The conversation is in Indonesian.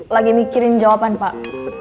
lagi mikirin jawaban pak